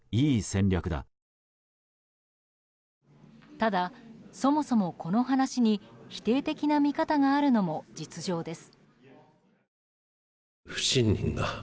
ただ、そもそもこの話に否定的な見方があるのも実情です。